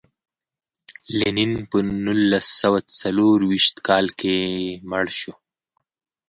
لینین په نولس سوه څلور ویشت کال کې مړ شو.